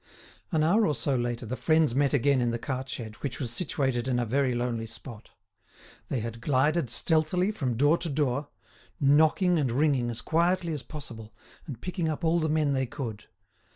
An hour or so later the friends met again in the cart shed, which was situated in a very lonely spot. They had glided stealthily from door to door, knocking and ringing as quietly as possible, and picking up all the men they could.